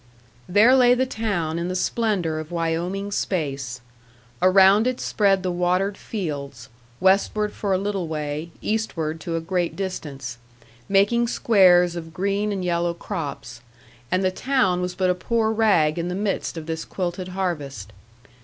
There lay the town in the splendor of Wyoming space. Around it spread the watered fields, westward for a little way, eastward to a great distance, making squares of green and yellow crops; and the town was but a poor rag in the midst of this quilted harvest.